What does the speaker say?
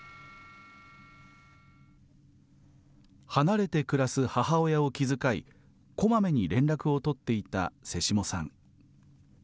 離れて暮らす母親を気遣い、こまめに連絡を取っていた瀬下さん。